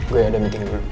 gue ada meetingnya dulu